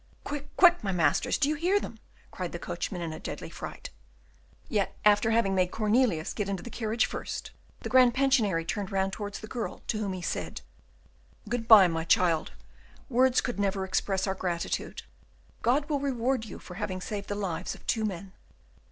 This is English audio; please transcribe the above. "Quick, quick, my masters! do you hear them?" cried the coachman, in a deadly fright. Yet, after having made Cornelius get into the carriage first, the Grand Pensionary turned round towards the girl, to whom he said, "Good bye, my child! words could never express our gratitude. God will reward you for having saved the lives of two men."